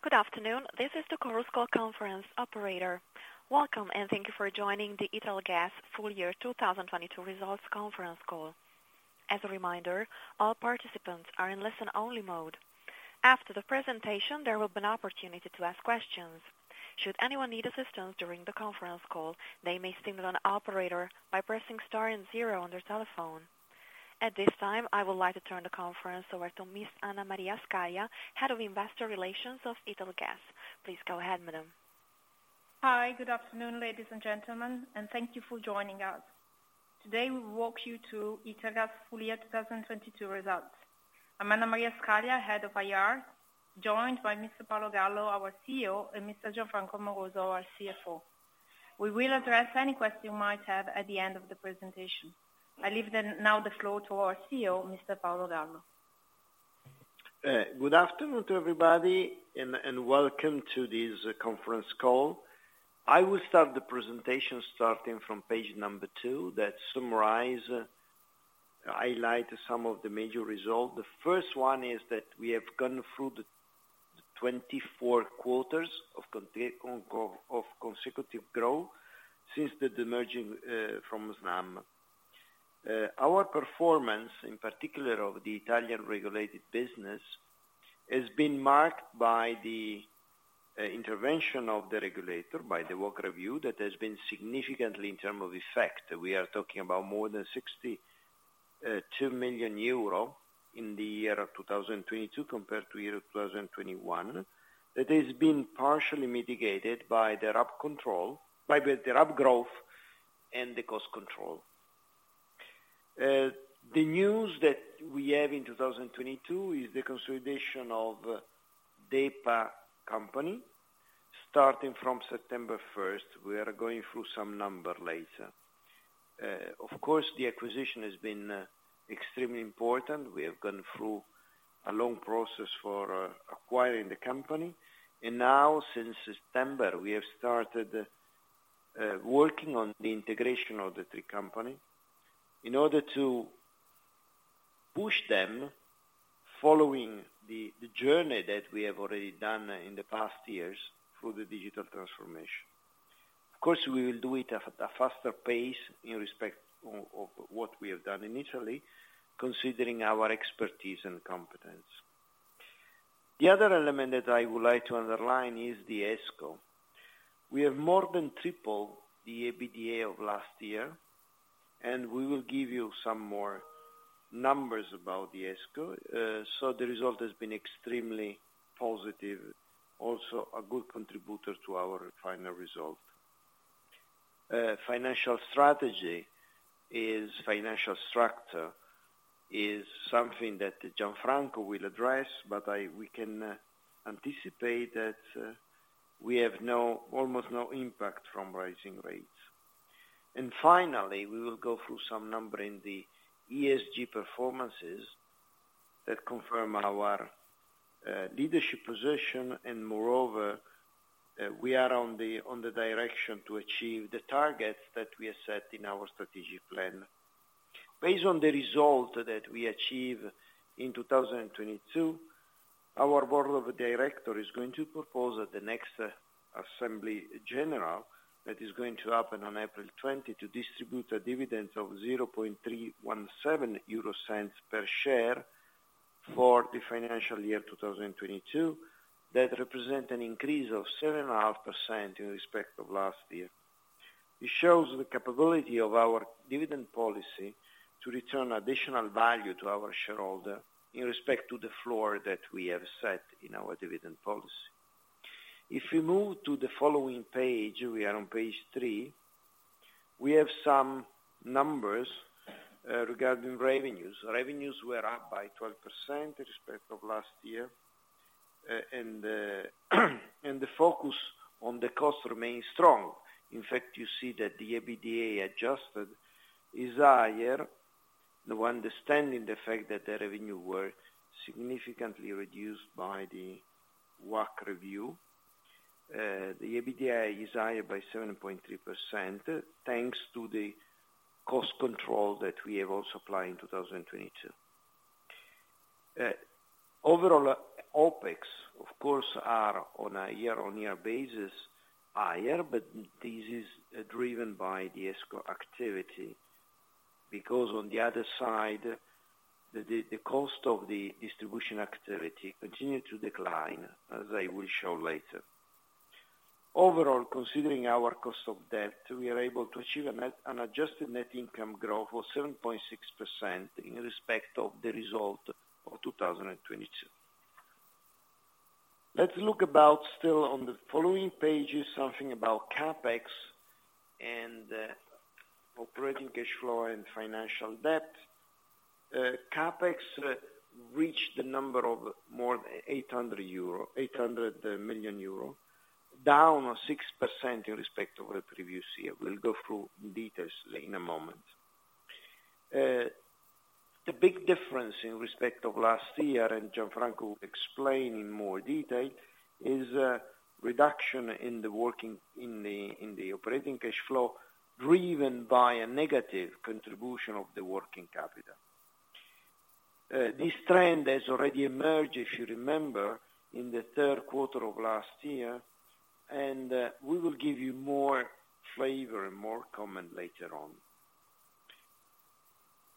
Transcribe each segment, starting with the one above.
Good afternoon, this is the Chorus Call conference operator. Welcome, thank you for joining the Italgas Full Year 2022 Results Conference Call. As a reminder, all participants are in listen-only mode. After the presentation, there will be an opportunity to ask questions. Should anyone need assistance during the conference call, they may signal an operator by pressing star and zero on their telephone. At this time, I would like to turn the conference over to Ms. Anna Maria Scaglia, Head of Investor Relations of Italgas. Please go ahead, madam. Hi. Good afternoon, ladies and gentlemen, and thank you for joining us. Today, we walk you through Italgas full year 2022 results. I'm Anna Maria Scaglia, Head of IR, joined by Mr. Paolo Gallo, our CEO, and Mr. Gianfranco Moroso, our CFO. We will address any question you might have at the end of the presentation. I now leave the floor to our CEO, Mr. Paolo Gallo. Good afternoon to everybody and welcome to this conference call. I will start the presentation starting from page number two, that summarize, highlight some of the major results. The first one is that we have gone through the 24 quarters of consecutive growth since the demerging from Snam. Our performance, in particular of the Italian regulated business, has been marked by the intervention of the regulator, by the WACC review that has been significantly in terms of effect. We are talking about more than 62 million euro in the year 2022 compared to year 2021. That has been partially mitigated by the ramp growth and the cost control. The news that we have in 2022 is the consolidation of DEPA Company. Starting from September 1st, we are going through some number later. Of course, the acquisition has been extremely important. We have gone through a long process for acquiring the company. Now since September, we have started working on the integration of the three company in order to push them following the journey that we have already done in the past years through the digital transformation. Of course, we will do it at a faster pace in respect of what we have done initially, considering our expertise and competence. The other element that I would like to underline is the ESCo. We have more than triple the EBITDA of last year, and we will give you some more numbers about the ESCo. The result has been extremely positive, also a good contributor to our final result. Financial strategy is... Financial structure is something that Gianfranco will address, we can anticipate that we have almost no impact from rising rates. Finally, we will go through some number in the ESG performances that confirm our leadership position. Moreover, we are on the direction to achieve the targets that we have set in our strategic plan. Based on the result that we achieved in 2022, our Board of Directors is going to propose at the next Assembly General, that is going to happen on April 20, to distribute a dividend of 0.317 per share for the financial year 2022. That represent an increase of 7.5% in respect of last year. It shows the capability of our dividend policy to return additional value to our shareholder in respect to the floor that we have set in our dividend policy. If we move to the following page, we are on page three. We have some numbers regarding revenues. Revenues were up by 12% in respect of last year. The focus on the cost remains strong. In fact, you see that the EBITDA adjusted is higher. The understanding the fact that the revenue were significantly reduced by the WACC review, the EBITDA is higher by 7.3%, thanks to the cost control that we have also applied in 2022. Overall, OpEx, of course, are on a year-on-year basis higher, this is driven by the ESCo activity. Because on the other side, the cost of the distribution activity continued to decline, as I will show later. Overall, considering our cost of debt, we are able to achieve an adjusted net income growth of 7.6% in respect of the result of 2022. Let's look about still on the following pages, something about CapEx and operating cash flow and financial debt. CapEx reached the number of more than 800 million euro, down 6% in respect of the previous year. We'll go through in details in a moment. The big difference in respect of last year, and Gianfranco will explain in more detail, is a reduction in the operating cash flow, driven by a negative contribution of the working capital. This trend has already emerged, if you remember, in the third quarter of last year, and we will give you more flavor and more comment later on.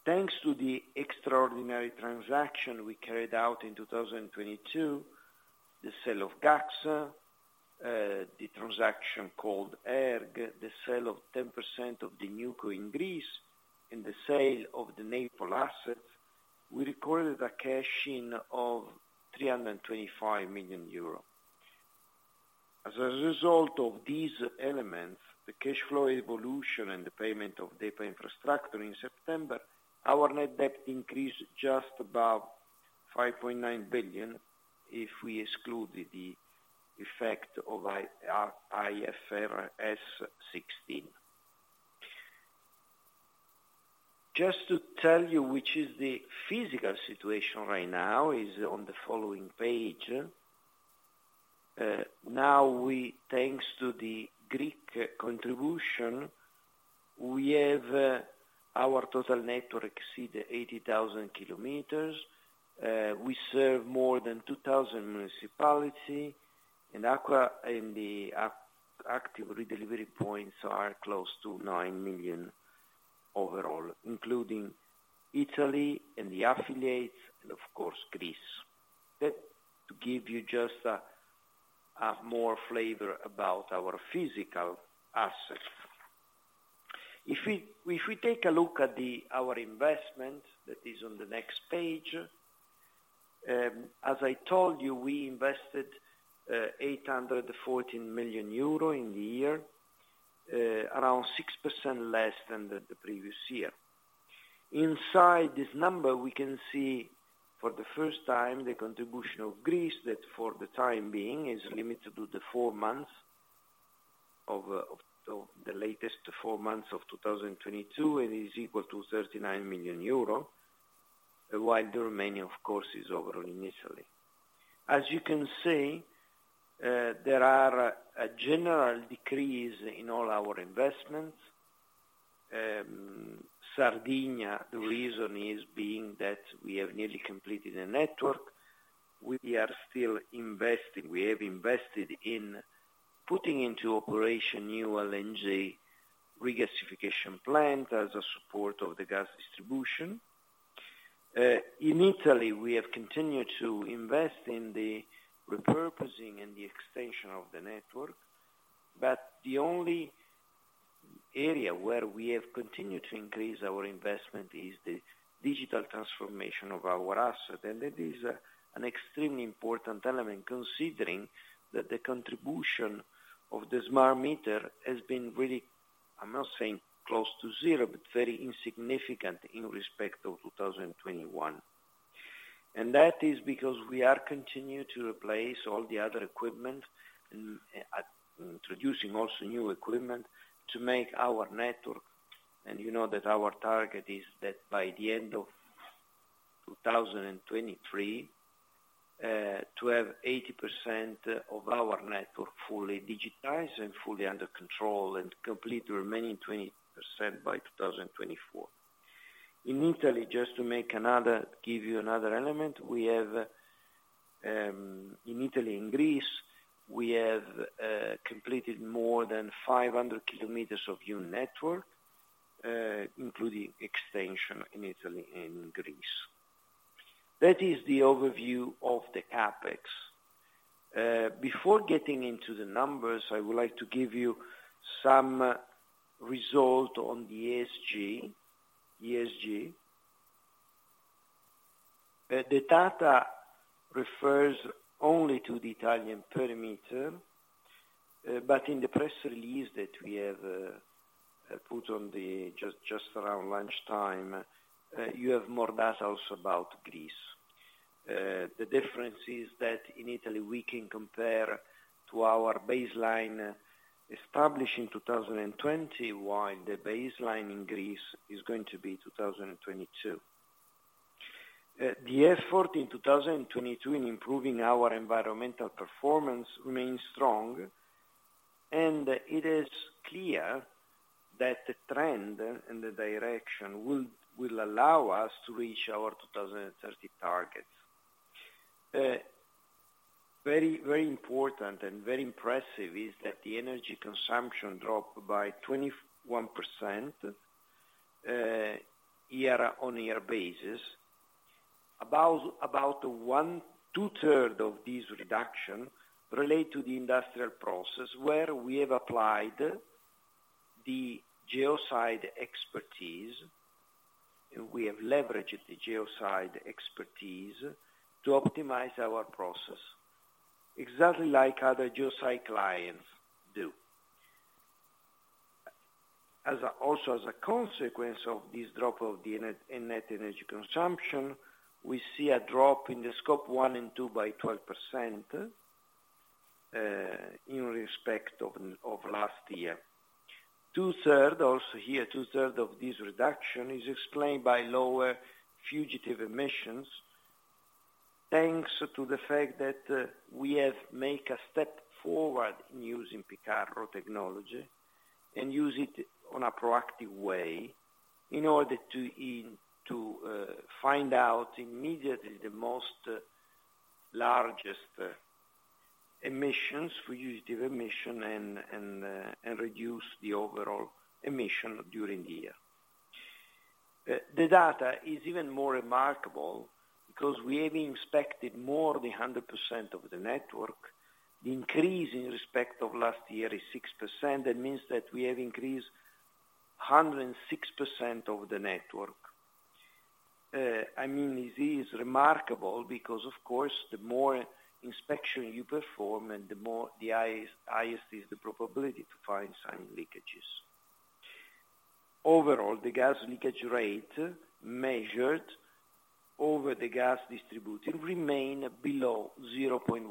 Thanks to the extraordinary transaction we carried out in 2022, the sale of Gaxa, the transaction called ERG, the sale of 10% of the NewCo in Greece, and the sale of the Naples assets, we recorded a cash-in of 325 million euro. As a result of these elements, the cash flow evolution and the payment of DEPA Infrastructure in September, our net debt increased just above 5.9 billion, if we exclude the effect of IFRS 16. Just to tell you which is the physical situation right now is on the following page. Now thanks to the Greek contribution, we have our total network exceed 80,000 km. We serve more than 2,000 municipality, Aqua in the active redelivery points are close to 9 million overall, including Italy and the affiliates and of course Greece. To give you just a more flavor about our physical assets. If we take a look at our investment, that is on the next page. As I told you, we invested 814 million euro in the year, around 6% less than the previous year. Inside this number, we can see for the first time the contribution of Greece that, for the time being, is limited to the four months of the latest four months of 2022, and is equal to 39 million euro, while the remaining, of course, is overall in Italy. As you can see, there are a general decrease in all our investments. Sardinia, the reason is being that we have nearly completed a network. We are still investing. We have invested in putting into operation new LNG regasification plant as a support of the gas distribution. In Italy, we have continued to invest in the repurposing and the extension of the network, but the only area where we have continued to increase our investment is the digital transformation of our asset. That is an extremely important element, considering that the contribution of the smart meter has been really, I'm not saying close to zero, but very insignificant in respect of 2021. That is because we are continue to replace all the other equipment, introducing also new equipment to make our network. You know that our target is that by the end of 2023, to have 80% of our network fully digitized and fully under control and complete remaining 20% by 2024. In Italy, just to give you another element, we have in Italy and Greece, we have completed more than 500 km of new network, including extension in Italy and Greece. That is the overview of the CapEx. Before getting into the numbers, I would like to give you some result on the ESG. The data refers only to the Italian perimeter, but in the press release that we have put on the just around lunchtime, you have more data also about Greece. The difference is that in Italy, we can compare to our baseline established in 2020, while the baseline in Greece is going to be 2022. The effort in 2022 in improving our environmental performance remains strong. It is clear that the trend and the direction will allow us to reach our 2030 targets. Very important and very impressive is that the energy consumption dropped by 21% year-over-year basis. About 2/3 of this reduction relate to the industrial process where we have applied the Geoside expertise. We have leveraged the Geoside expertise to optimize our process, exactly like other Geoside clients do. Also as a consequence of this drop of the net energy consumption, we see a drop in the Scope 1 and 2 by 12% in respect of last year. Two-third, also here, 2/3 of this reduction is explained by lower fugitive emissions. Thanks to the fact that we have make a step forward in using Picarro technology and use it on a proactive way in order to find out immediately the most largest emissions, fugitive emission and reduce the overall emission during the year. The data is even more remarkable because we have inspected more than 100% of the network. The increase in respect of last year is 6%. That means that we have increased 106% of the network. I mean, this is remarkable because, of course, the more inspection you perform and the more the highest is the probability to find some leakages. Overall, the gas leakage rate measured over the gas distribution remain below 0.1%.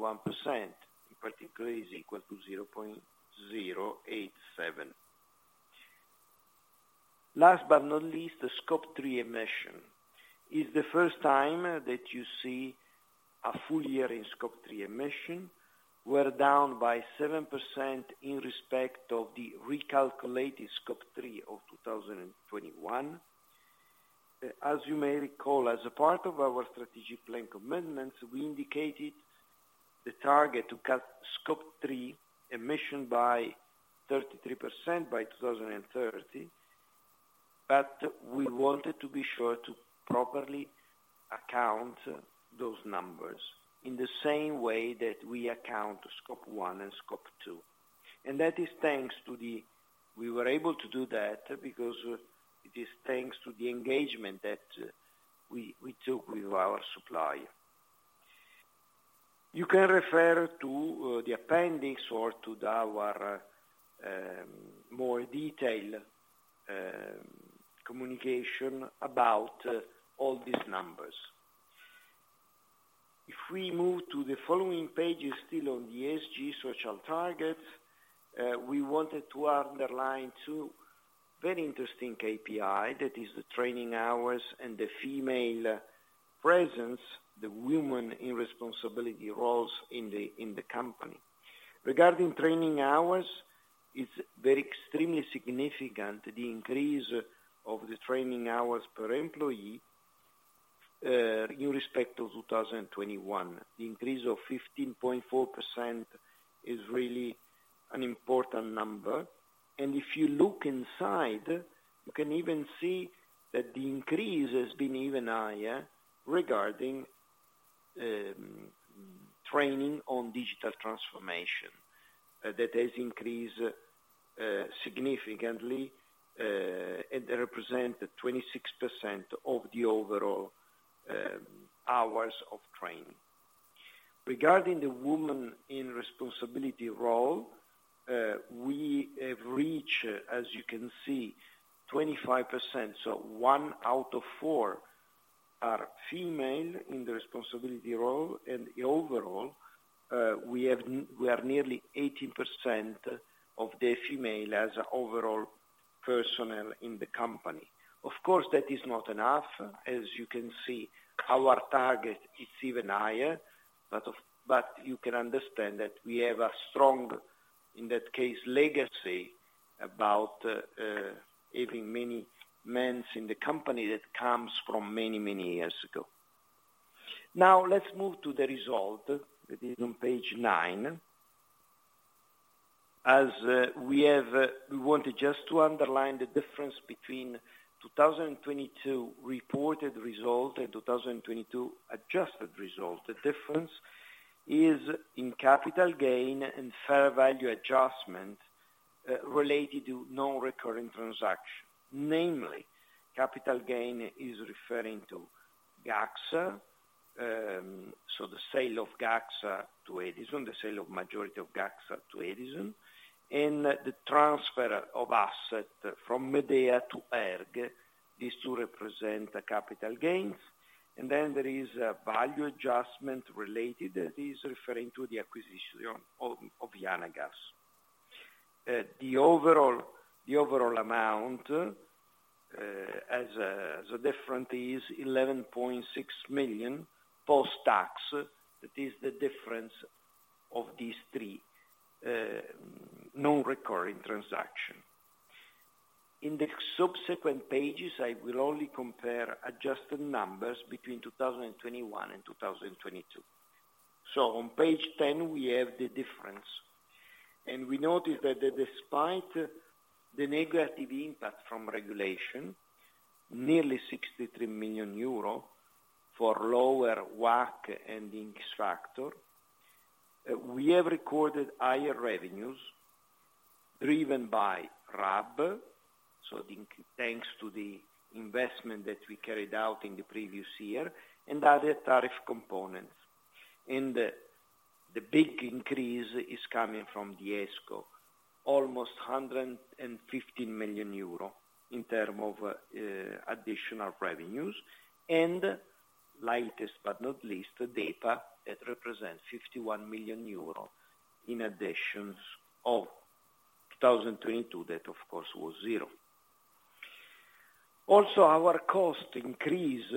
In particular, is equal to 0.087. Last but not least, the Scope 3 emission. Is the first time that you see a full year in Scope 3 emission. We're down by 7% in respect of the recalculated Scope 3 of 2021. As you may recall, as a part of our strategic plan commitments, we indicated the target to cut Scope 3 emission by 33% by 2030. We wanted to be sure to properly account those numbers in the same way that we account Scope 1 and Scope 2. We were able to do that because it is thanks to the engagement that we took with our supplier. You can refer to the appendix or to our more detailed communication about all these numbers. If we move to the following pages still on the ESG social targets, we wanted to underline two very interesting KPI. That is the training hours and the female presence, the women in responsibility roles in the company. Regarding training hours, it's very extremely significant, the increase of the training hours per employee in respect to 2021. The increase of 15.4% is really an important number. If you look inside, you can even see that the increase has been even higher regarding training on digital transformation. That has increased significantly and represent 26% of the overall hours of training. Regarding the women in responsibility role, we have reached, as you can see, 25%, so one out of four are female in the responsibility role. Overall, we are nearly 18% of the female as overall personnel in the company. Of course, that is not enough. As you can see, our target is even higher. But you can understand that we have a strong, in that case, legacy about having many men in the company that comes from many, many years ago. Let's move to the result. That is on page nine. As we have... We wanted just to underline the difference between 2022 reported result and 2022 adjusted result. The difference is in capital gain and fair value adjustment related to non-recurring transaction. Namely, capital gain is referring to Gaxa. So the sale of Gaxa to Edison, the sale of majority of Gaxa to Edison, and the transfer of asset from Medea to ERG. These two represent the capital gains. There is a value adjustment related. That is referring to the acquisition of [Janagas]. The overall amount as a different is 11.6 million post-tax. That is the difference of these three non-recurring transaction. In the subsequent pages, I will only compare adjusted numbers between 2021 and 2022. On page 10, we have the difference, and we notice that despite the negative impact from regulation, nearly 63 million euro for lower WACC and the X-factor, we have recorded higher revenues driven by RAB, thanks to the investment that we carried out in the previous year, and other tariff components. The big increase is coming from the ESCo, almost 150 million euro in term of additional revenues. Last but not least, the data that represents 51 million euro in additions of 2022, that of course was zero. Also, our cost increase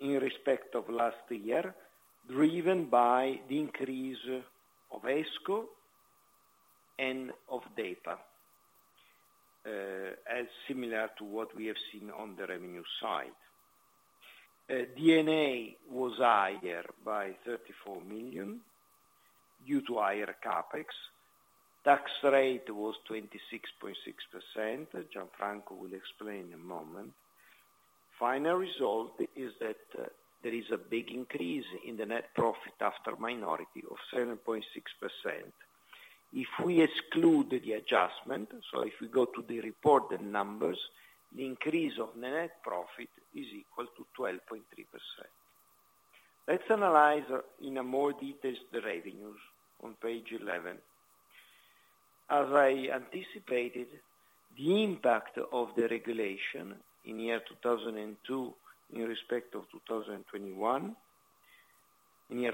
in respect of last year, driven by the increase of ESCo and of DEPA, as similar to what we have seen on the revenue side. D&A was higher by 34 million due to higher CapEx. Tax rate was 26.6%, as Gianfranco will explain in a moment. Final result is that there is a big increase in the net profit after minority of 7.6%. If we exclude the adjustment, so if we go to the reported numbers, the increase of net profit is equal to 12.3%. Let's analyze in a more detailed revenues on page 11. As I anticipated, the impact of the regulation in 2022, in respect to 2021, is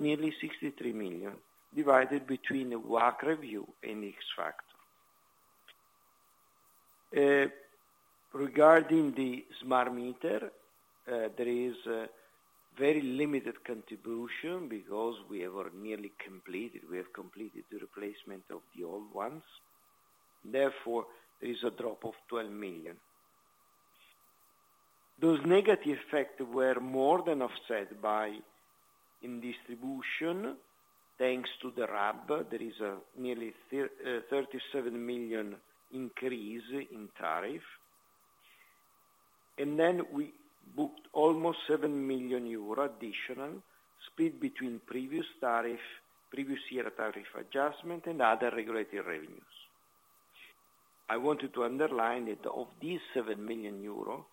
nearly 63 million, divided between the WACC review and X-factor. Regarding the smart meter, there is a very limited contribution because we have completed the replacement of the old ones. Therefore, there is a drop of 12 million. Those negative effect were more than offset by in distribution. Thanks to the RAB, there is a nearly 37 million increase in tariff. We booked almost 7 million euro additional, split between previous tariff, previous year tariff adjustment, and other regulatory revenues. I wanted to underline that of these 7 million euro,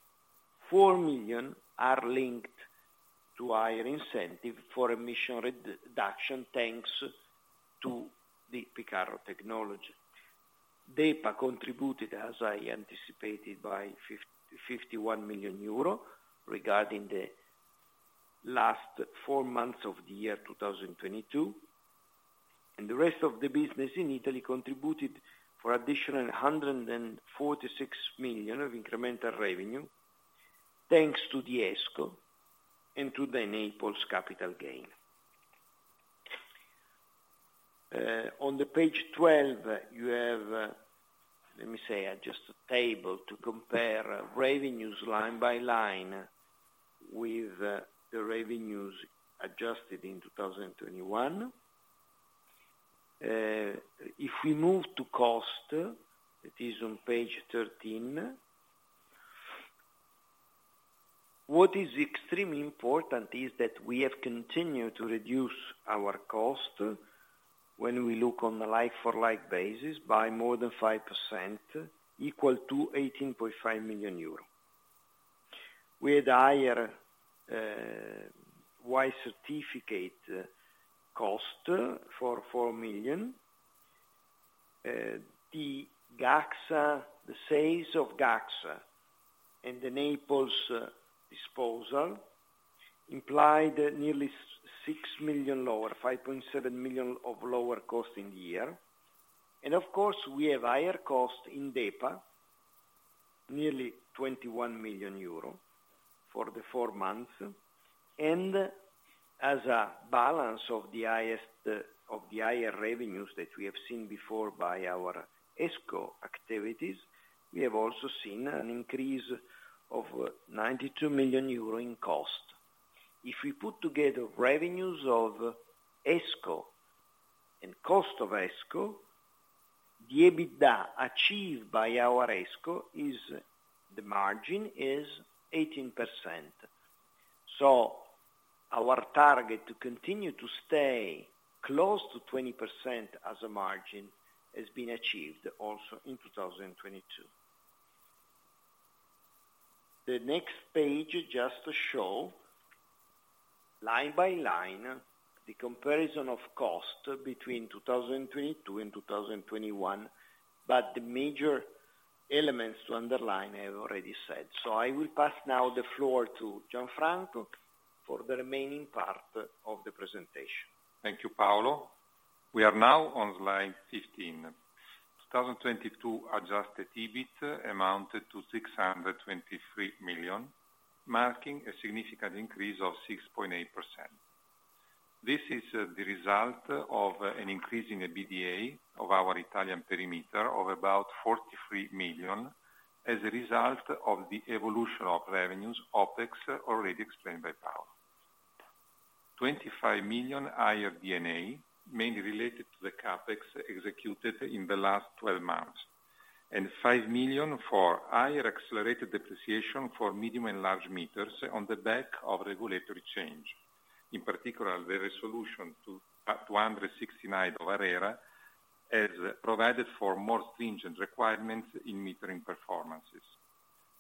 4 million are linked to higher incentive for emission re-reduction, thanks to the Picarro technology. DEPA contributed, as I anticipated, by 51 million euro, regarding the last four months of 2022, and the rest of the business in Italy contributed for additional 146 million of incremental revenue, thanks to the ESCo and to the Naples capital gain. On page 12, you have, let me say, just a table to compare revenues line by line with the revenues adjusted in 2021. If we move to cost, it is on page 13. What is extremely important is that we have continued to reduce our cost, when we look on the like-for-like basis, by more than 5%, equal to 18.5 million euro. We had higher white certificate cost for EUR 4 million. The Gaxa, the sales of Gaxa, and the Naples disposal implied nearly 6 million lower, 5.7 million of lower cost in the year. Of course, we have higher cost in DEPA, nearly 21 million euro for the four months. As a balance of the highest of the higher revenues that we have seen before by our ESCo activities, we have also seen an increase of 92 million euro in cost. If we put together revenues of ESCo and cost of ESCo, the EBITDA achieved by our ESCo is, the margin is 18%. Our target to continue to stay close to 20% as a margin has been achieved also in 2022. The next page just show, line by line, the comparison of cost between 2022 and 2021. The major elements to underline, I already said. I will pass now the floor to Gianfranco for the remaining part of the presentation. Thank you, Paolo. We are now on Slide 15. 2022 adjusted EBIT amounted to 623 million, marking a significant increase of 6.8%. This is the result of an increase in the EBITDA of our Italian perimeter of about 43 million as a result of the evolution of revenues, OpEx, already explained by Paolo. 25 million higher D&A, mainly related to the CapEx executed in the last 12 months, and 5 million for higher accelerated depreciation for medium and large meters on the back of regulatory change. In particular, the resolution to up to [269] of ARERA has provided for more stringent requirements in metering performances.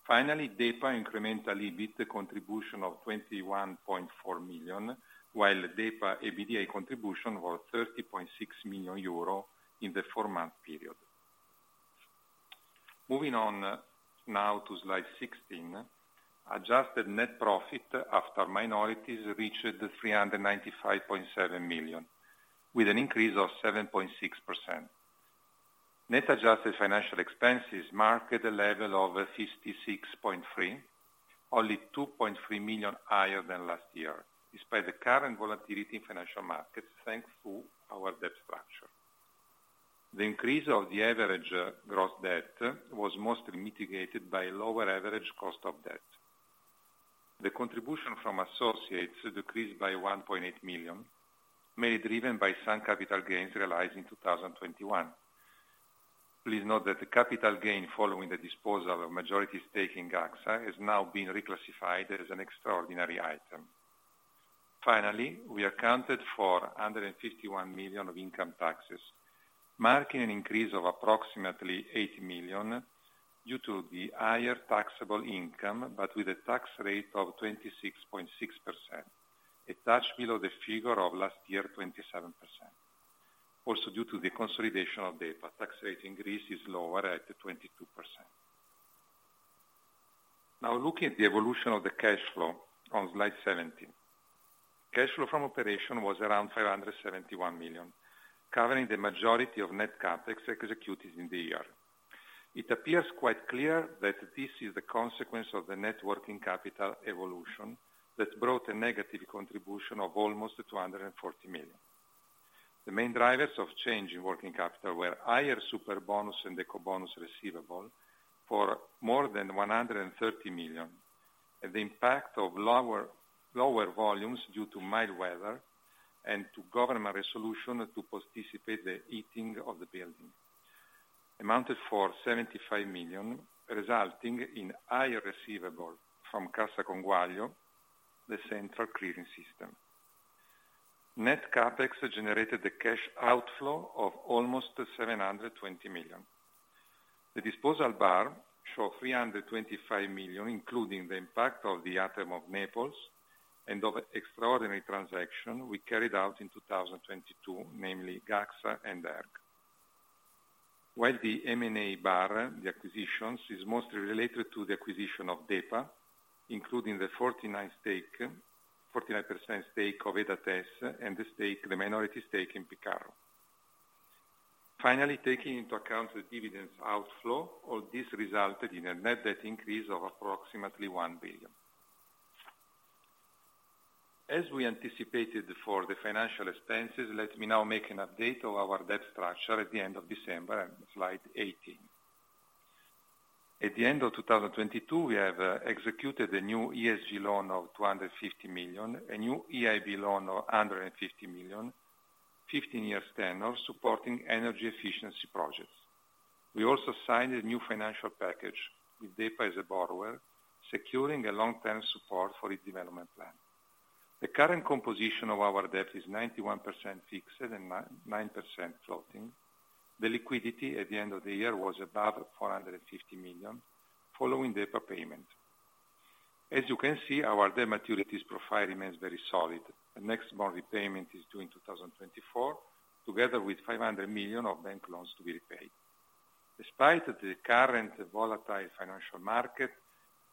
Finally, DEPA incrementally beat the contribution of 21.4 million, while DEPA EBITDA contribution was 30.6 million euro in the four-month period. Now to slide 16. Adjusted net profit after minorities reached 395.7 million, with an increase of 7.6%. Net adjusted financial expenses marked a level of 56.3, only 2.3 million higher than last year, despite the current volatility in financial markets, thanks to our debt structure. The increase of the average gross debt was mostly mitigated by lower average cost of debt. The contribution from associates decreased by 1.8 million, mainly driven by some capital gains realized in 2021. Please note that the capital gain following the disposal of majority stake in Gaxa has now been reclassified as an extraordinary item. We accounted for 151 million of income taxes, marking an increase of approximately 80 million due to the higher taxable income, with a tax rate of 26.6%, a touch below the figure of last year, 27%. Due to the consolidation of data, tax rate increase is lower at 22%. Looking at the evolution of the cash flow on slide 17. Cash flow from operation was around 571 million, covering the majority of net CapEx executed in the year. It appears quite clear that this is the consequence of the net working capital evolution that brought a negative contribution of almost 240 million. The main drivers of change in working capital were higher Superbonus and Ecobonus receivable for more than 130 million, and the impact of lower volumes due to mild weather and to government resolution to participate the heating of the building, amounted for 75 million, resulting in higher receivable from Cassa Conguaglio, the central clearing system. Net CapEx generated a cash outflow of almost 720 million. The disposal bar show 325 million, including the impact of the item of Naples and of extraordinary transaction we carried out in 2022, namely Gaxa and ERG. The M&A bar, the acquisitions, is mostly related to the acquisition of DEPA, including the 49% stake of Edates and the minority stake in Picarro. Finally, taking into account the dividends outflow, all this resulted in a net debt increase of approximately 1 billion. As we anticipated for the financial expenses, let me now make an update of our debt structure at the end of December, slide 18. At the end of 2022, we have executed a new ESG loan of 250 million, a new EIB loan of 150 million, 15 years tenure of supporting energy efficiency projects. We also signed a new financial package with DEPA as a borrower, securing a long-term support for its development plan. The current composition of our debt is 91% fixed and 9% floating. The liquidity at the end of the year was above 450 million following DEPA payment. You can see, our debt maturities profile remains very solid. The next bond repayment is due in 2024, together with 500 million of bank loans to be repaid. Despite the current volatile financial market,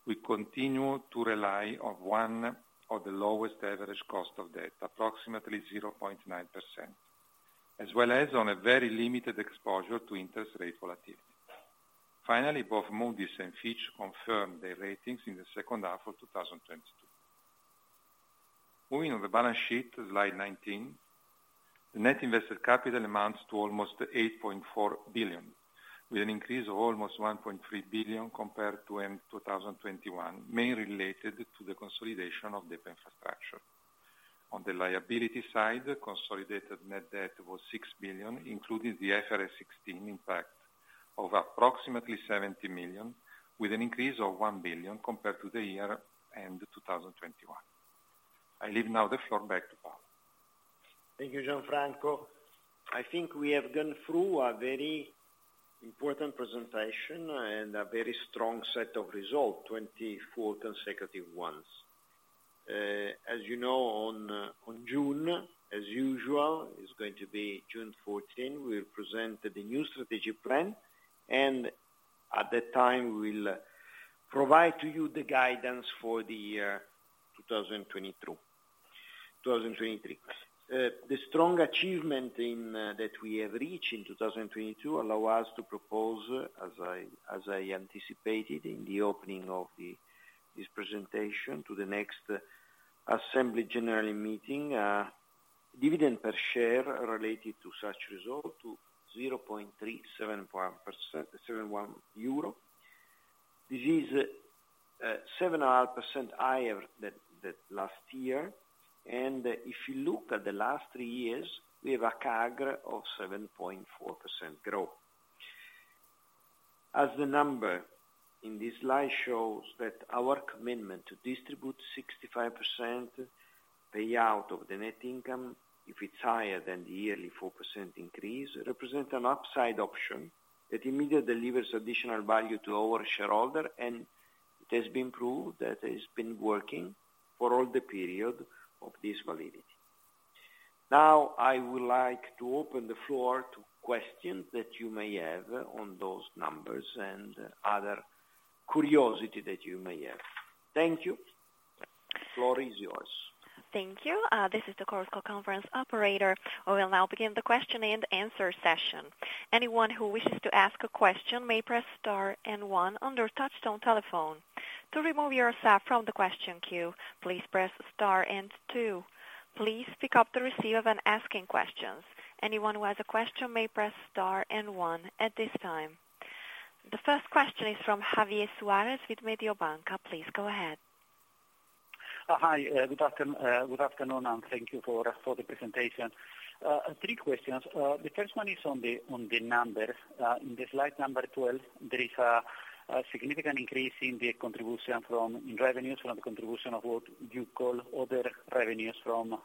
we continue to rely on one of the lowest average cost of debt, approximately 0.9%, as well as on a very limited exposure to interest rate volatility. Both Moody's and Fitch confirmed their ratings in the second half of 2022. Moving on the balance sheet, slide 19. The net invested capital amounts to almost 8.4 billion, with an increase of almost 1.3 billion compared to end 2021, mainly related to the consolidation of the infrastructure. On the liability side, the consolidated net debt was 6 billion, including the IFRS 16 impact of approximately 70 million, with an increase of 1 billion compared to the year end 2021. I leave now the floor back to Paolo. Thank you, Gianfranco. I think we have gone through a very important presentation and a very strong set of results, 24 consecutive ones. as you know, on June 14th, we'll present the new strategic plan, and at that time, we'll provide to you the guidance for the year 2022-2023. The strong achievement that we have reached in 2022 allow us to propose, as I anticipated in the opening of this presentation, to the next assembly general meeting, dividend per share related to such result to 0.371 euro. This is 7.5% higher than last year. If you look at the last three years, we have a CAGR of 7.4% growth. As the number in this slide shows that our commitment to distribute 65% payout of the net income, if it's higher than the yearly 4% increase, represent an upside option that immediately delivers additional value to our shareholder, and it has been proved that it's been working for all the period of this validity. Now I would like to open the floor to questions that you may have on those numbers and other curiosity that you may have. Thank you. Floor is yours. Thank you. This is the Chorus Call Conference operator. We will now begin the question-and-answer session. Anyone who wishes to ask a question may press star and one on their touchtone telephone. To remove yourself from the question queue, please press star and two. Please pick up the receiver when asking questions. Anyone who has a question may press star and one at this time. The first question is from Javier Suarez with Mediobanca. Please go ahead. Hi, good afternoon, and thank you for the presentation. Three questions. The first one is on the numbers. In slide 12, there is a significant increase in the contribution from revenues, from the contribution of what you call other revenues from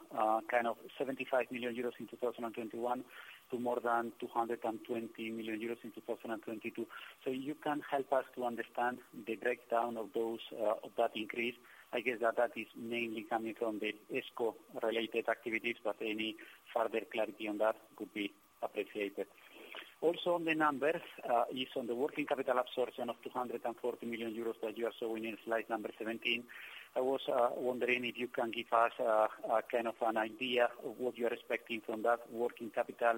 kind of 75 million euros in 2021 to more than 220 million euros in 2022. You can help us to understand the breakdown of those of that increase. I guess that that is mainly coming from the ESCo related activities, but any further clarity on that would be appreciated. Also, on the numbers, is on the working capital absorption of 240 million euros that you are showing in slide 17. I was wondering if you can give us a kind of an idea of what you are expecting from that working capital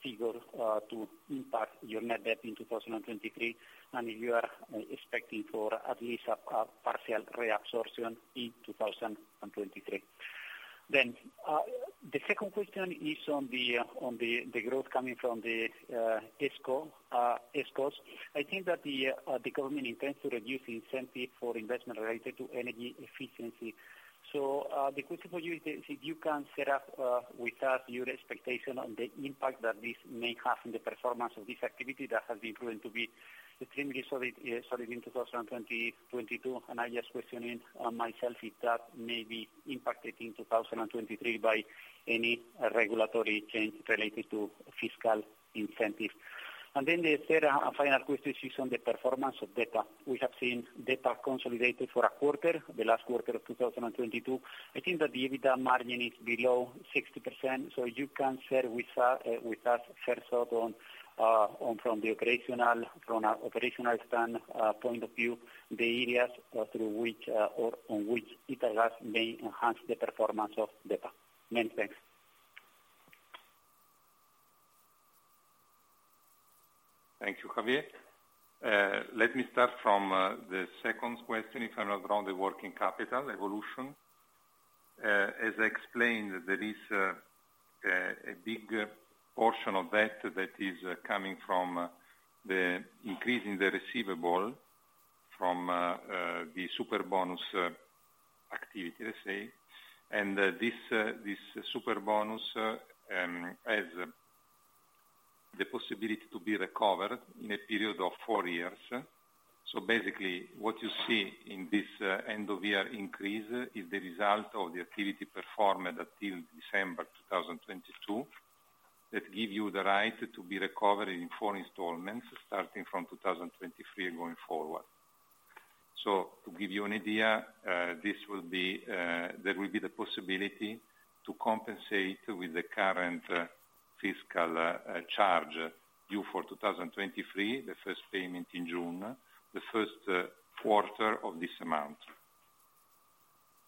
figure to impact your net debt in 2023, and if you are expecting for at least a partial reabsorption in 2023. The second question is on the growth coming from the ESCos. I think that the government intends to reduce the incentive for investment related to energy efficiency. The question for you is if you can set up with us your expectation on the impact that this may have in the performance of this activity that has been proven to be extremely solid in 2022. I just questioning myself if that may be impacted in 2023 by any regulatory change related to fiscal incentive. The third and final question is on the performance of DEPA. We have seen DEPA consolidated for a quarter, the last quarter of 2022. I think that the EBITDA margin is below 60%. You can share with us first off on from the operational, from a operational stand point of view, the areas through which or on which Italgas may enhance the performance of DEPA. Many thanks. Thank you, Javier. Let me start from the second question, if I'm not wrong, the working capital evolution. As I explained, there is a big portion of that that is coming from the increase in the receivable from the Superbonus activity, let's say. This Superbonus has the possibility to be recovered in a period of four years. Basically, what you see in this end of year increase is the result of the activity performed until December 2022, that give you the right to be recovered in four installments, starting from 2023 and going forward. To give you an idea, this will be, there will be the possibility to compensate with the current fiscal charge due for 2023, the first payment in June, the first quarter of this amount.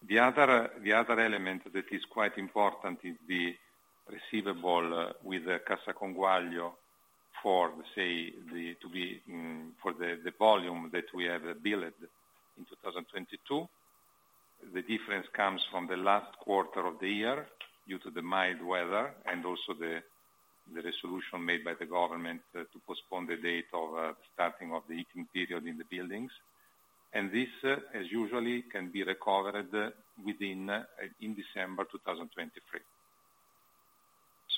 The other element that is quite important is the receivable with the Cassa Conguaglio for the volume that we have billed in 2022. The difference comes from the last quarter of the year due to the mild weather and also the resolution made by the government to postpone the date of starting of the heating period in the buildings. This, as usually can be recovered within in December 2023.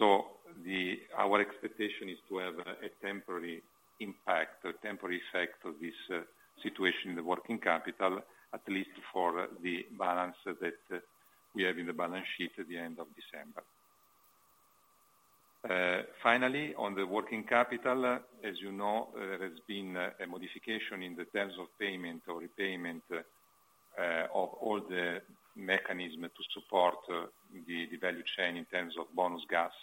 Our expectation is to have a temporary impact, a temporary effect of this situation in the working capital, at least for the balance that we have in the balance sheet at the end of December. Finally, on the working capital, as you know, there has been a modification in the terms of payment or repayment of all the mechanism to support the value chain in terms of bonus gas.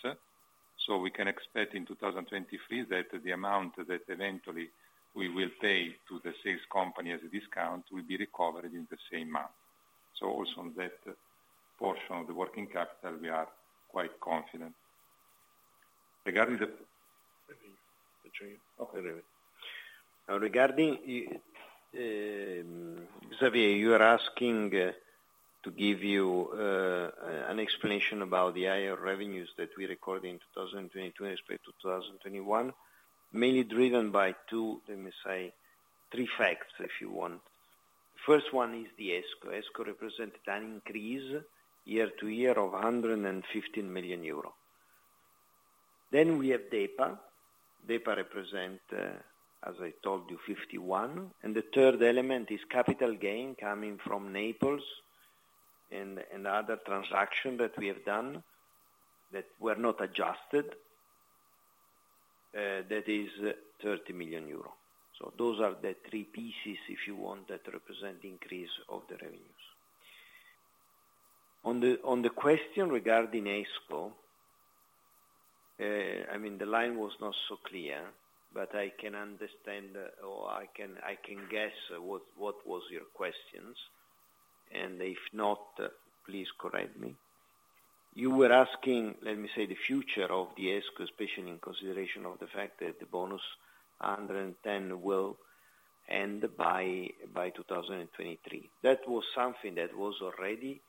We can expect in 2023 that the amount that eventually we will pay to the sales company as a discount will be recovered in the same month. Also on that portion of the working capital we are quite confident. Regarding Javier, you are asking to give you an explanation about the higher revenues that we recorded in 2022 as per 2021, mainly driven by two, let me say three facts, if you want. First one is the ESCo. ESCo represented an increase year-to-year of 115 million euro. Then we have DEPA. DEPA represent, as I told you, 51 million. The third element is capital gain coming from Naples and other transaction that we have done that were not adjusted. That is 30 million euro. Those are the three pieces, if you want, that represent the increase of the revenues. On the question regarding ESCo, I mean, the line was not so clear, but I can understand or I can guess what was your questions, and if not, please correct me. You were asking, let me say, the future of the ESCo, especially in consideration of the fact that the [bonus 110] will end by 2023. That was something that was already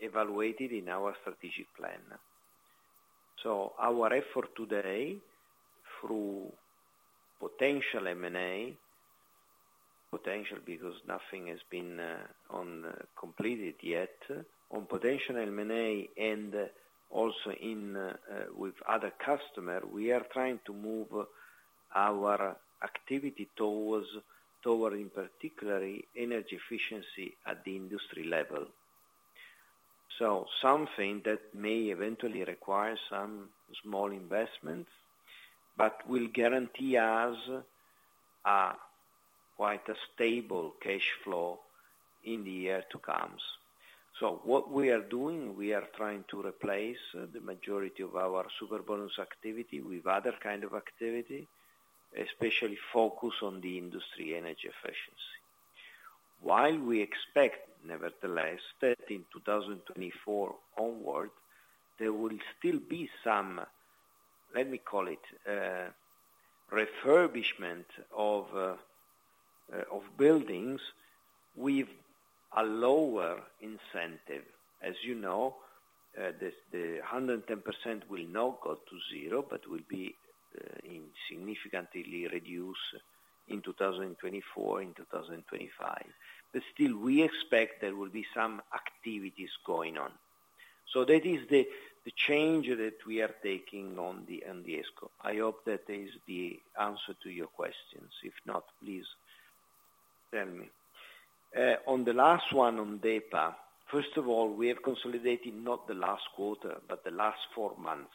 evaluated in our strategic plan. Our effort today, through potential M&A, potential because nothing has been completed yet. On potential M&A and also in with other customer, we are trying to move our activity towards, in particularly, energy efficiency at the industry level. Something that may eventually require some small investments, but will guarantee us a quite a stable cash flow in the year to comes. What we are doing, we are trying to replace the majority of our Superbonus activity with other kind of activity, especially focus on the industry energy efficiency. We expect, nevertheless, that in 2024 onward, there will still be some, let me call it, refurbishment of buildings with a lower incentive. As you know, the 110% will not go to zero, but will be significantly reduced in 2024, in 2025. Still, we expect there will be some activities going on. That is the change that we are taking on the ESCo. I hope that is the answer to your questions. If not, please tell me. On the last one on DEPA, first of all, we have consolidated not the last quarter, but the last four months.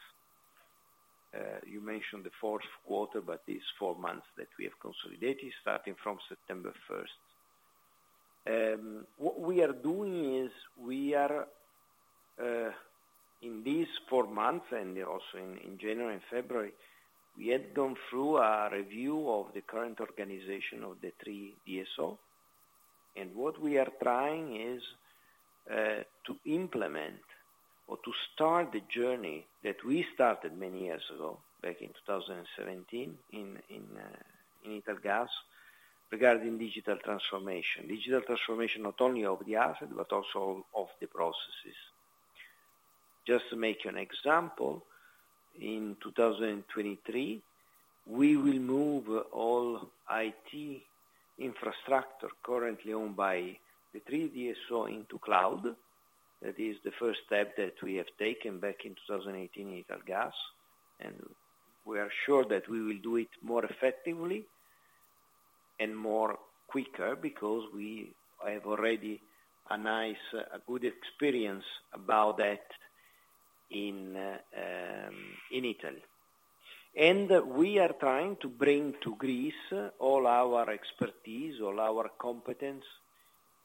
You mentioned the fourth quarter, these four months that we have consolidated starting from September 1st. What we are doing is we are in these four months and also in January and February, we had gone through a review of the current organization of the three DSO. What we are trying is to implement or to start the journey that we started many years ago, back in 2017 in Italgas, regarding digital transformation. Digital transformation not only of the asset, but also of the processes. Just to make you an example, in 2023, we will move all IT infrastructure currently owned by the three DSO into cloud. That is the first step that we have taken back in 2018 in Italgas. We are sure that we will do it more effectively and more quicker because we have already a nice, a good experience about that in Italy. We are trying to bring to Greece all our expertise, all our competence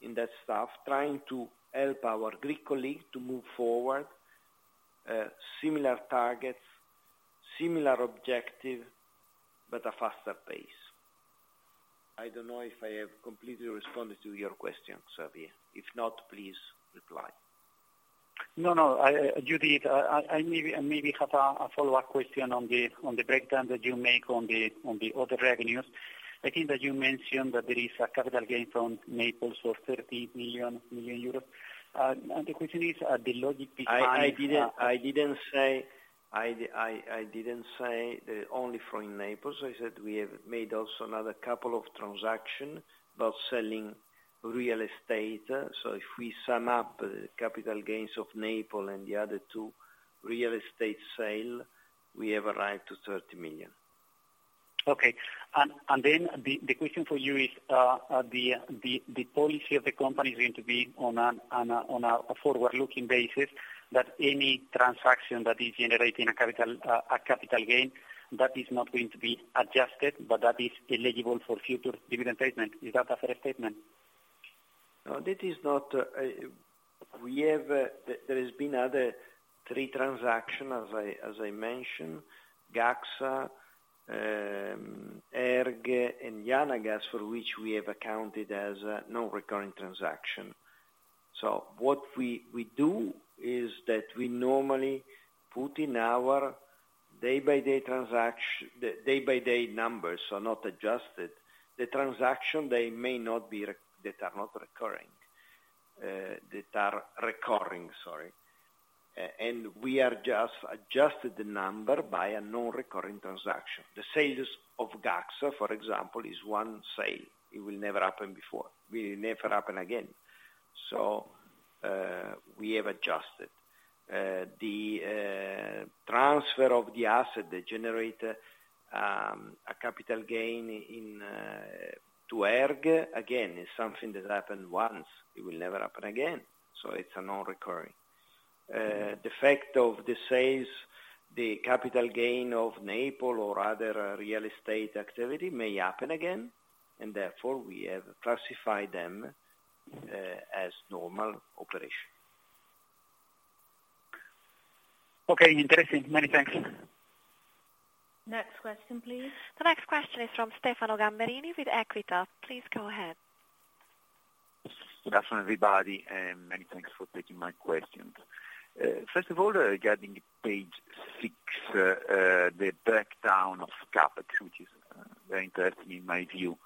in that stuff, trying to help our Greek colleague to move forward, similar targets, similar objective, but a faster pace. I don't know if I have completely responded to your question, Javier. If not, please reply. No, no, I, you did. I maybe have a follow-up question on the breakdown that you make on the other revenues. I think that you mentioned that there is a capital gain from Naples of 30 million euro. The question is, the logic behind- I didn't say the only from Naples. I said we have made also another couple of transaction about selling real estate. If we sum up the capital gains of Naples and the other two real estate sale, we have arrived to 30 million. Okay. Then the question for you is, the policy of the company is going to be on a forward-looking basis that any transaction that is generating a capital gain, that is not going to be adjusted, but that is eligible for future dividend payment. Is that a fair statement? No, that is not. We have. There has been other three transactions, as I, as I mentioned, Gaxa, ERG and [Janagas], for which we have accounted as a non-recurring transaction. What we do is that we normally put in our day by day numbers are not adjusted. The transaction, they may not be that are recurring, sorry. We are just adjusted the number by a non-recurring transaction. The sales of Gaxa, for example, is 1 sale. It will never happen before. Will never happen again. We have adjusted. The transfer of the asset, the generator, a capital gain in to ERG, again, is something that happened once. It will never happen again. It's a non-recurring. The fact of the sales, the capital gain of Naples or other real estate activity may happen again, and therefore we have classified them as normal operation. Okay, interesting. Many thanks. Next question, please. The next question is from Stefano Gamberini with Equita. Please go ahead. Good afternoon, everybody, many thanks for taking my questions. First of all, regarding page six, the breakdown of CapEx, which is very interesting in my view.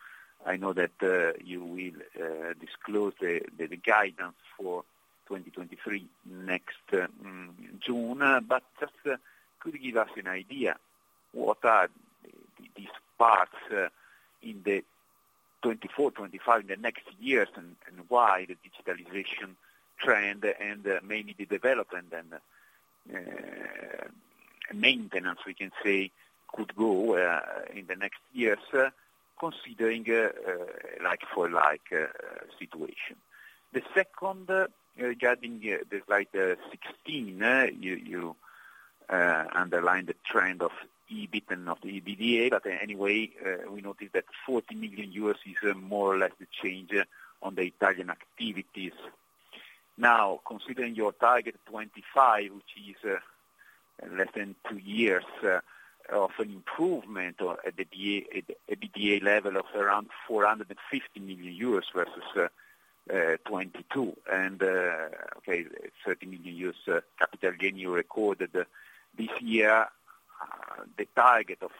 I know that you will disclose the guidance for 2023 next June, but just could you give us an idea what are these parts in the 2024, 2025, in the next years, and why the digitalization trend and mainly the development and maintenance, we can say, could grow in the next years, considering a like-for-like situation. The second, regarding the slide 16, you underlined the trend of EBIT and of the EBITDA, but anyway, we noticed that 40 million euros is more or less the change on the Italian activities. Now, considering your target 2025, which is less than two years of an improvement or EBITDA level of around 450 million euros versus 2022, and okay, 30 million euros capital gain you recorded this year, the target of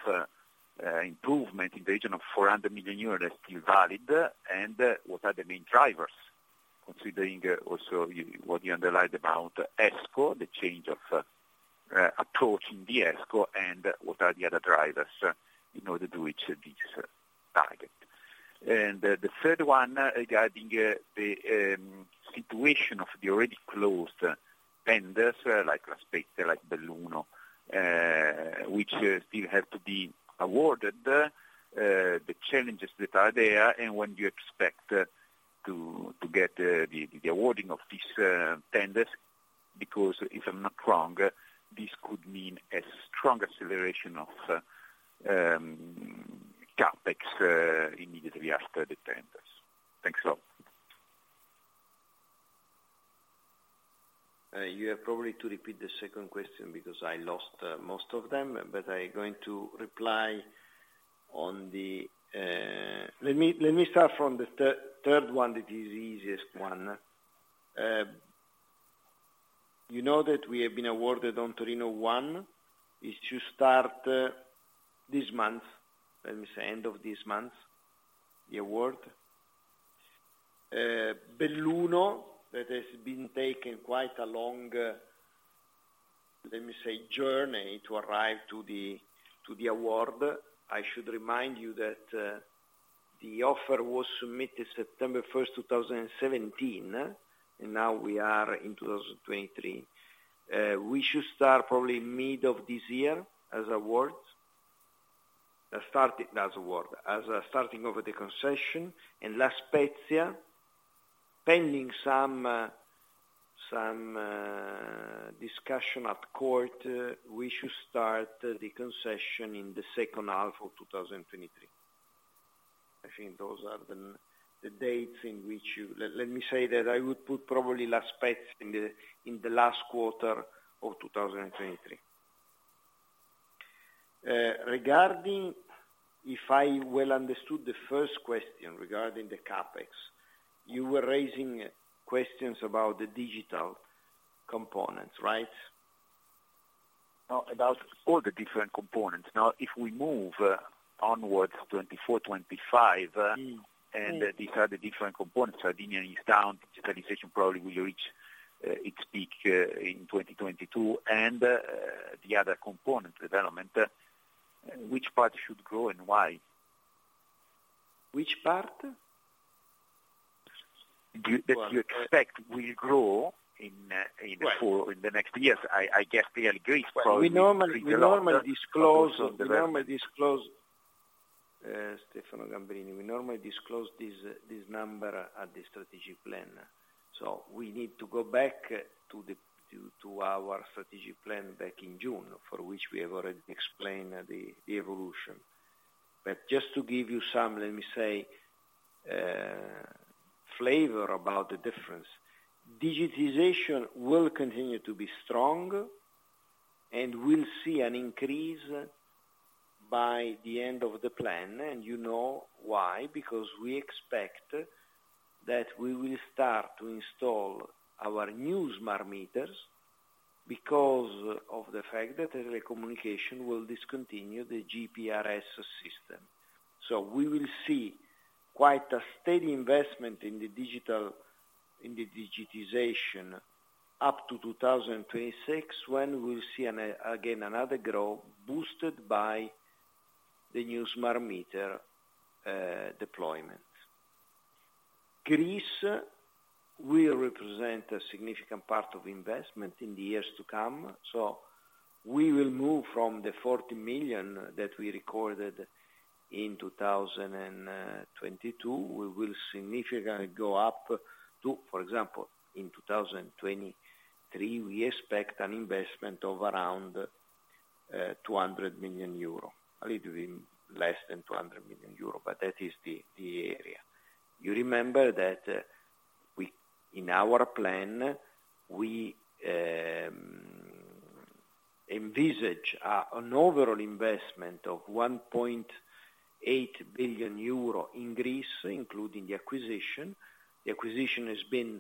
improvement in the region of 400 million euros is still valid. What are the main drivers? Considering also what you underlined about ESCo, the change of approach in the ESCo, what are the other drivers in order to reach this target? The third one, regarding the situation of the already closed tenders, like La Spezia, like Belluno, which still have to be awarded, the challenges that are there and when do you expect to get the awarding of these tenders, because if I'm not wrong, this could mean a strong acceleration of CapEx immediately after the tenders. Thanks all. You have probably to repeat the second question because I lost most of them, but I going to reply on the. Let me start from the third one. It is the easiest one. You know that we have been awarded on Torino 1. It should start this month, let me say end of this month, the award. Belluno, that has been taking quite a long, let me say, journey to arrive to the award. I should remind you that the offer was submitted September 1st, 2017, and now we are in 2023. We should start probably mid of this year as award. Starting as award, as starting of the concession. In La Spezia, pending some discussion at court, we should start the concession in the second half of 2023. I think those are the dates in which you. Let me say that I would put probably La Spezia in the last quarter of 2023. Regarding, if I well understood the first question regarding the CapEx, you were raising questions about the digital components, right? No, about all the different components. If we move onwards 2024, 2025. Mm-hmm. These are the different components, Sardinia is down, digitalization probably will reach its peak in 2022, and the other component development, which part should grow and why? Which part? That you expect will grow in the next years. I guess the increase. We normally disclose, Stefano Gamberini, we normally disclose this number at the strategic plan. We need to go back to our strategic plan back in June, for which we have already explained the evolution. Just to give you some, let me say, flavor about the difference, digitization will continue to be strong, and we'll see an increase by the end of the plan. You know why? Because we expect that we will start to install our new smart meters because of the fact that every communication will discontinue the GPRS system. We will see quite a steady investment in the digitization up to 2026, when we'll see again, another growth boosted by the new smart meter deployment. Greece will represent a significant part of investment in the years to come. We will move from the 40 million that we recorded in 2022. We will significantly go up to. For example, in 2023, we expect an investment of around 200 million euro, a little bit less than 200 million euro, but that is the area. You remember that we, in our plan, we envisage an overall investment of 1.8 billion euro in Greece, including the acquisition. The acquisition has been,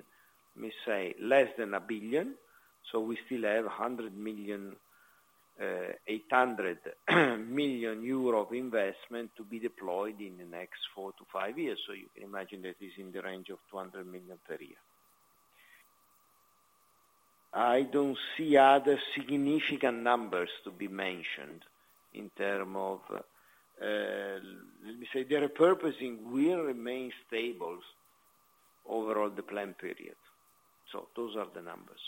let me say, less than 1 billion. We still have 800 million euro of investment to be deployed in the next four to five years. You can imagine that is in the range of 200 million per year. I don't see other significant numbers to be mentioned in terms of, let me say, the repurposing will remain stable overall the plan period. Those are the numbers.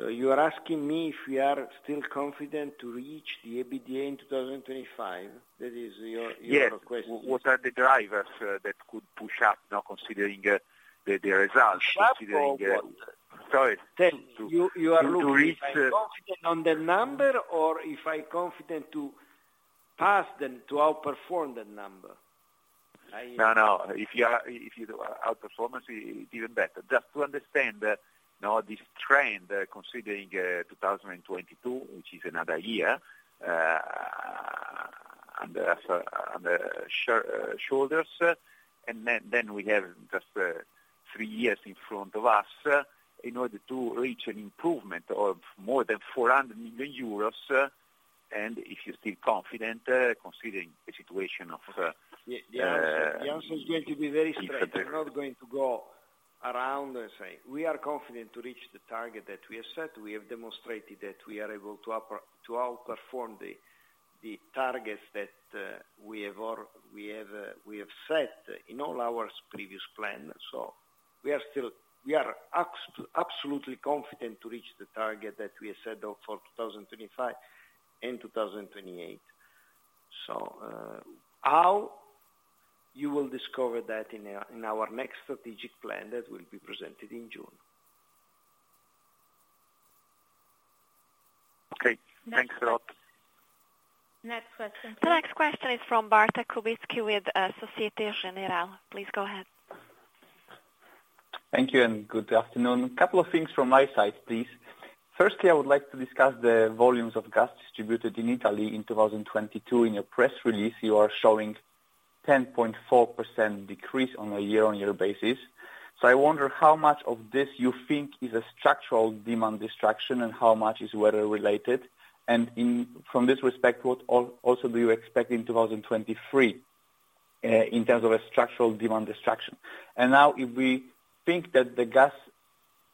You are asking me if we are still confident to reach the EBITDA in 2025? That is your question. Yes. What are the drivers that could push up, you know, considering the results, considering... Push up for what? Sorry. To reach. You are looking if I'm confident on the number or if I confident to pass them, to outperform the number? No, no. If you are, if you do outperformance it's even better. Just to understand that, you know, this trend, considering, 2022, which is another year, under shoulders, then we have just three years in front of us in order to reach an improvement of more than 400 million euros. If you're still confident, considering the situation of. The answer is going to be very straight. I'm not going to go around and say. We are confident to reach the target that we have set. We have demonstrated that we are able to outperform the targets that we have all, we have set in all our previous plan. We are absolutely confident to reach the target that we have set out for 2025 and 2028. How? You will discover that in our next strategic plan that will be presented in June. Okay. Thanks a lot. Next question, please. The next question is from Bartek Kubicki with Societe Generale. Please go ahead. Thank you. Good afternoon. A couple of things from my side, please. Firstly, I would like to discuss the volumes of gas distributed in Italy in 2022. In your press release, you are showing a 10.4% decrease on a year-over-year basis. I wonder how much of this you think is a structural demand destruction and how much is weather related? From this respect, what also do you expect in 2023 in terms of a structural demand destruction? Now, if we think that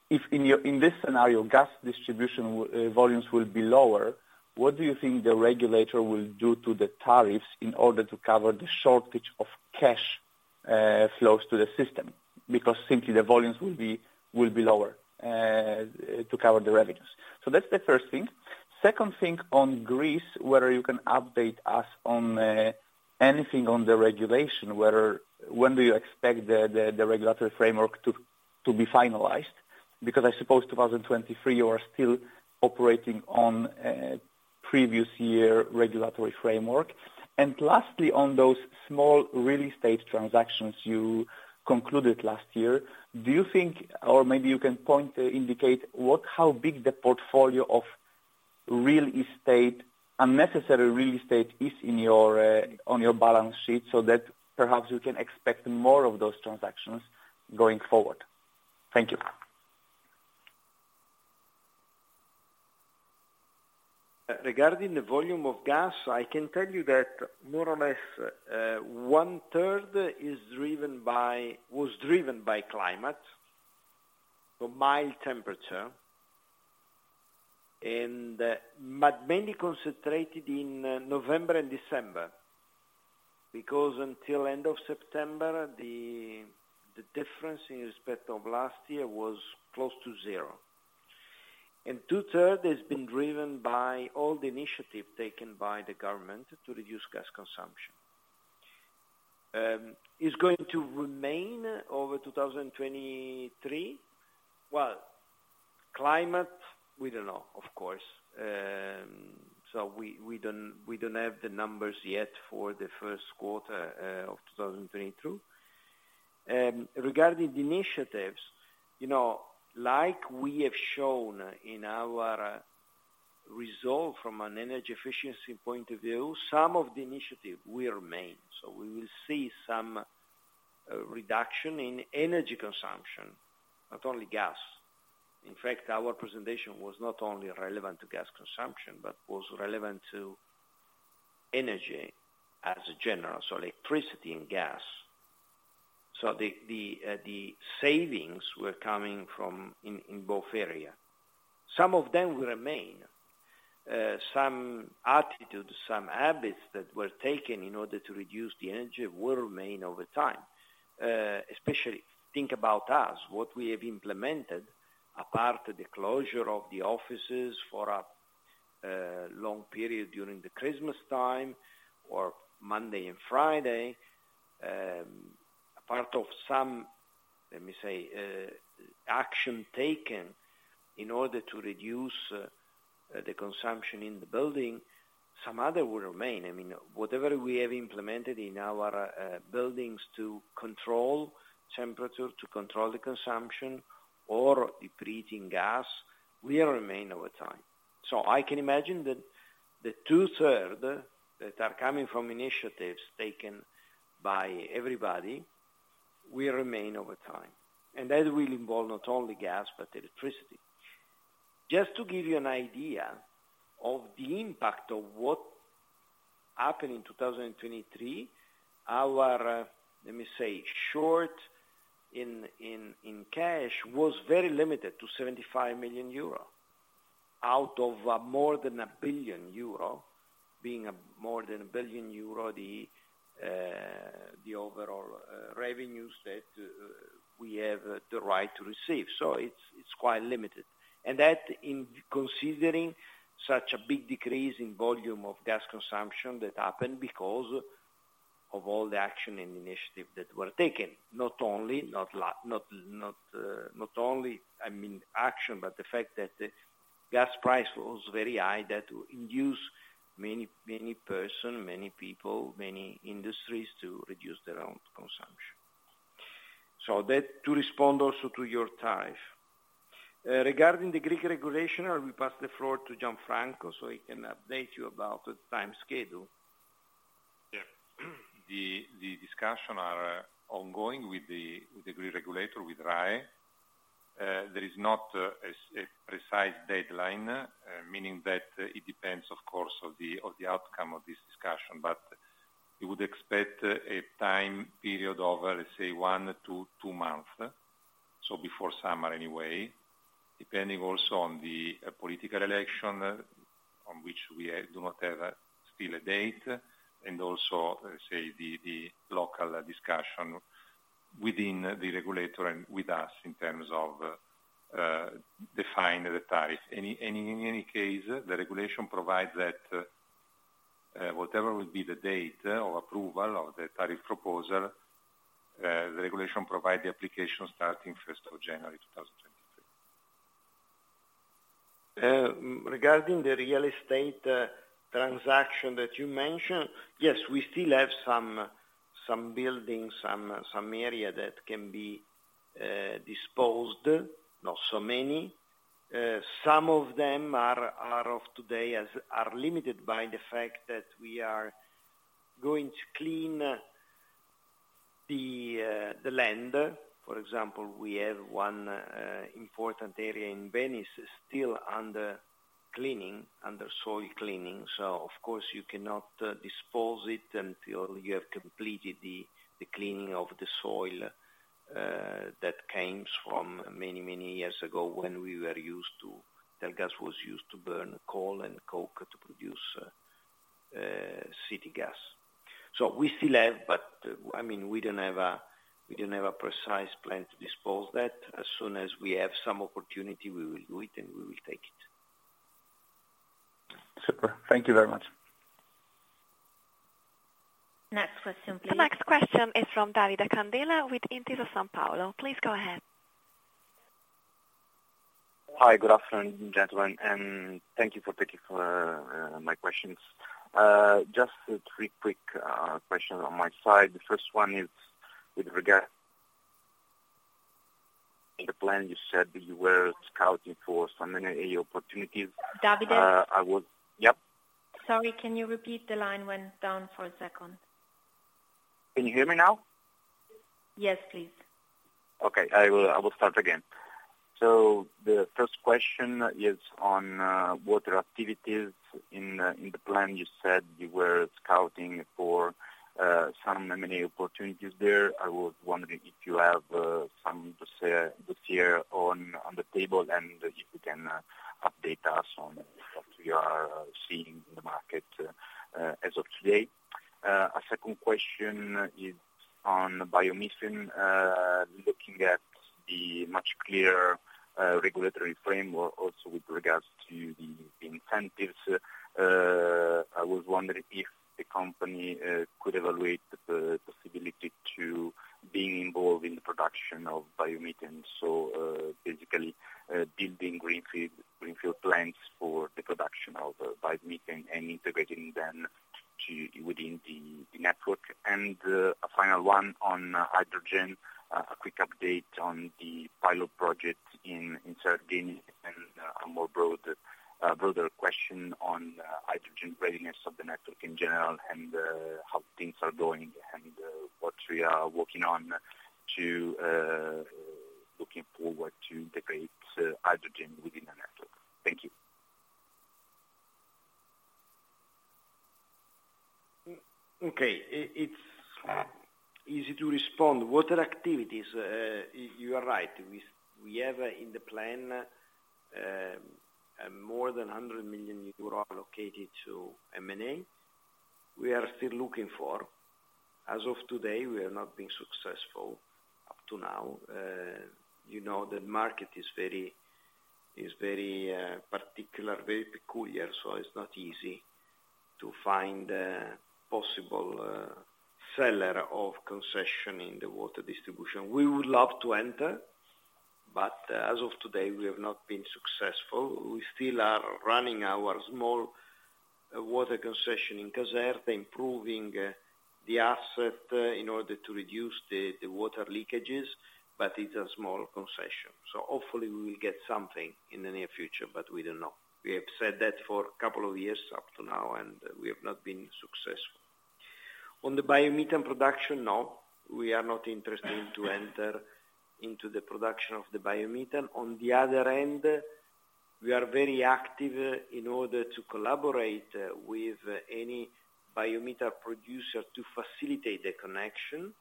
if in your, in this scenario, gas distribution volumes will be lower, what do you think the regulator will do to the tariffs in order to cover the shortage of cash flows to the system? Because simply the volumes will be lower to cover the revenues. That's the first thing. Second thing on Greece, whether you can update us on anything on the regulation, whether When do you expect the regulatory framework to be finalized? I suppose 2023, you are still operating on previous year regulatory framework. Lastly, on those small real estate transactions you concluded last year, do you think, or maybe you can point or indicate what, how big the portfolio of real estate, unnecessary real estate is in your on your balance sheet, so that perhaps we can expect more of those transactions going forward. Thank you. Regarding the volume of gas, I can tell you that more or less, 1/3 is driven by, was driven by climate, so mild temperature. mainly concentrated in November and December, because until end of September, the difference in respect of last year was close to zero. Two-third has been driven by all the initiative taken by the government to reduce gas consumption. Is going to remain over 2023? climate, we don't know, of course. we don't have the numbers yet for the first quarter of 2022. Regarding the initiatives, you know, like we have shown in our result from an energy efficiency point of view, some of the initiative will remain. we will see some reduction in energy consumption, not only gas. In fact, our presentation was not only relevant to gas consumption, but was relevant to energy as a general, so electricity and gas. The savings were coming from in both area. Some of them will remain. Some attitudes, some habits that were taken in order to reduce the energy will remain over time. Especially think about us, what we have implemented, apart the closure of the offices for a long period during the Christmas time or Monday and Friday, apart of some, let me say, action taken in order to reduce the consumption in the building, some other will remain. I mean, whatever we have implemented in our buildings to control temperature, to control the consumption or depleting gas, will remain over time. I can imagine that the 2/3s that are coming from initiatives taken by everybody will remain over time. That will involve not only gas, but electricity. Just to give you an idea of the impact of what happened in 2023, our, let me say, short in cash was very limited to 75 million euro, out of more than 1 billion euro, being a more than 1 billion euro the overall revenues that we have the right to receive. It's quite limited. That in considering such a big decrease in volume of gas consumption that happened because of all the action and initiative that were taken, not only, I mean action, but the fact that the gas price was very high, that will induce many people, many industries to reduce their own consumption. That to respond also to your tariff. Regarding the Greek regulation, I will pass the floor to Gianfranco, so he can update you about the time schedule. The discussion are ongoing with the Greek regulator, with RAE. There is not a precise deadline, meaning that it depends, of course, of the outcome of this discussion. We would expect a time period of, let's say, one to two month. Before summer anyway, depending also on the political election on which we do not have a still a date, and also say the local discussion within the regulator and with us in terms of define the tariff. In any case, the regulation provides that whatever will be the date of approval of the tariff proposal, the regulation provide the application starting 1st of January 2023. Regarding the real estate transaction that you mentioned, yes, we still have some buildings, some area that can be disposed, not so many. Some of them are of today as limited by the fact that we are going to clean the land. For example, we have one important area in Venice still under cleaning, under soil cleaning. Of course, you cannot dispose it until you have completed the cleaning of the soil that comes from many, many years ago when Italgas was used to burn coal and coke to produce city gas. We still have, but I mean, we don't have a precise plan to dispose that. As soon as we have some opportunity, we will do it and we will take it. Super. Thank you very much. Next question, please. The next question is from Davide Candela with Intesa Sanpaolo. Please go ahead. Hi, good afternoon, gentlemen, and thank you for taking my questions. Just three quick questions on my side. The first one is with regard the plan you said that you were scouting for some M&A opportunities. Davide? Yes. Sorry, can you repeat? The line went down for a second. Can you hear me now? Yes, please. Okay. I will start again. The first question is on what are activities in the plan you said you were scouting for some M&A opportunities there. I was wondering if you have some this year on the table, and if you can update us on what you are seeing in the market as of today. A second question is on biomethane. Looking at the much clearer regulatory framework also with regards to the incentives, I was wondering if the company could evaluate the possibility to being involved in the production of biomethane. Basically, building greenfield plants for the production of biomethane and integrating them within the network. A final one on hydrogen, a quick update on the pilot project in Sardinia and a broader question on hydrogen readiness of the network in general and how things are going and what we are working on to looking forward to integrate hydrogen within the network. Thank you. Okay. It's easy to respond. Water activities, you are right. We have in the plan more than 100 million euro allocated to M&A. We are still looking for. As of today, we are not being successful up to now. You know, the market is very, very particular, very peculiar, so it's not easy to find a possible seller of concession in the water distribution. We would love to enter, but as of today, we have not been successful. We still are running our small water concession in Caserta, improving the asset in order to reduce the water leakages, but it's a small concession. Hopefully we will get something in the near future, but we don't know. We have said that for a couple of years up to now. We have not been successful. On the biomethane production, no, we are not interested to enter into the production of the biomethane. On the other end, we are very active in order to collaborate with any biomethane producer to facilitate the connection.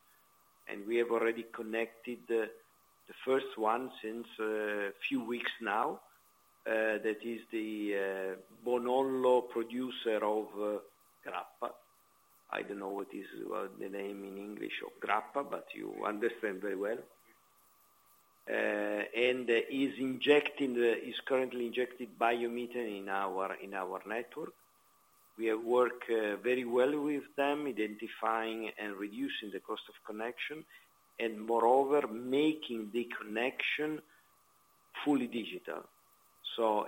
We have already connected the first one since a few weeks now, that is the Bonollo producer of grappa. I don't know what is the name in English of grappa, but you understand very well. Is currently injecting biomethane in our network. We have worked very well with them, identifying and reducing the cost of connection, and moreover, making the connection fully digital.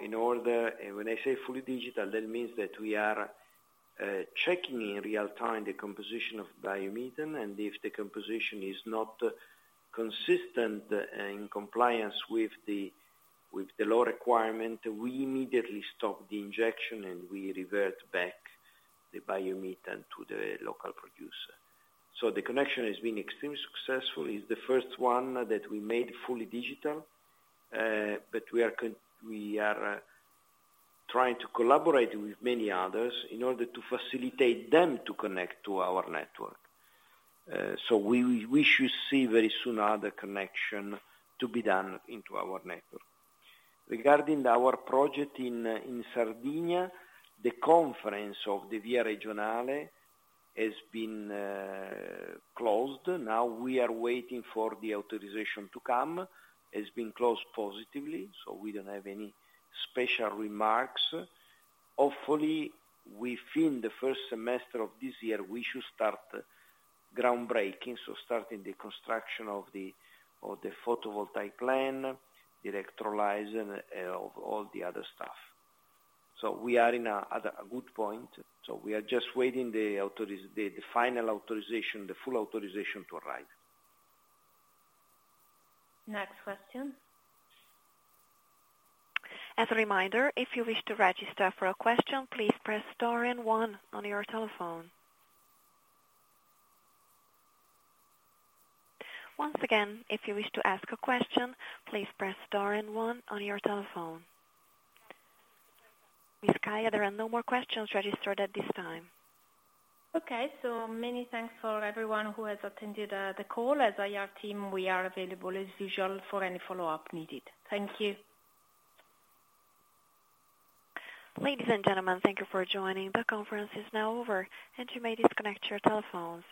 In order... When I say fully digital, that means that we are checking in real-time the composition of biomethane. If the composition is not consistent and in compliance with the law requirement, we immediately stop the injection. We revert back the biomethane to the local producer. The connection has been extremely successful. It's the first one that we made fully digital. We are trying to collaborate with many others in order to facilitate them to connect to our network. We should see very soon other connection to be done into our network. Regarding our project in Sardinia, the conference of the VIA Regionale has been closed. Now we are waiting for the authorization to come, has been closed positively. We don't have any special remarks. Hopefully, within the first semester of this year, we should start groundbreaking, so starting the construction of the photovoltaic plant, the electrolyzer, of all the other stuff. We are in a good point, we are just waiting the final authorization, the full authorization to arrive. Next question. As a reminder, if you wish to register for a question, please press star and one on your telephone. Once again, if you wish to ask a question, please press star and one on your telephone. Ms. Scaglia, there are no more questions registered at this time. Okay. Many thanks for everyone who has attended the call. As IR team, we are available as usual for any follow-up needed. Thank you. Ladies and gentlemen, thank you for joining. The conference is now over. You may disconnect your telephones.